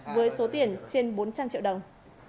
với số tiền trên bốn trăm linh triệu đồng